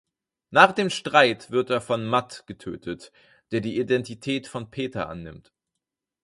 Nach dem Streit wird er von Matt getötet, der die Identität von Peter annimmt.